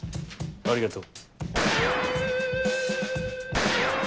ありがとう。